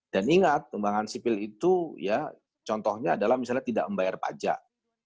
dan ingat pembangkangan sipil itu ya contohnya adalah misalnya tidak membayar pajak